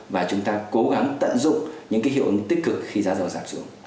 và chúng ta cố gắng tận dụng những hiệu ứng tích cực khi giá dầu giảm xuống